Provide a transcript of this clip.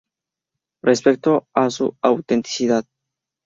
Respecto a su autenticidad, cf.